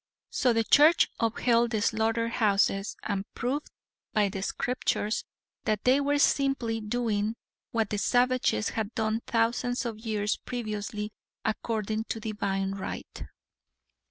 So the church upheld the slaughter houses and proved by the scriptures that they were simply doing what the savages had done thousands of years previously according to divine right.